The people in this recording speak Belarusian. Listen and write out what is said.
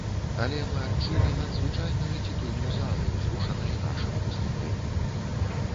Але мы адчулі надзвычайную цеплыню залы, узрушанай нашым выступленнем.